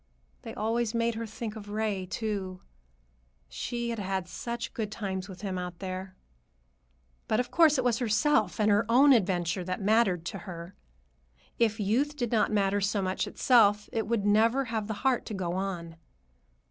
They always made her think of Ray, too. She had had such good times with him out there. But, of course, it was herself and her own adventure that mattered to her. If youth did not matter so much to itself, it would never have the heart to go on.